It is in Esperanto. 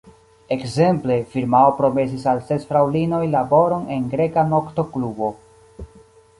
Ekzemple, firmao promesis al ses fraŭlinoj laboron en greka nokto-klubo.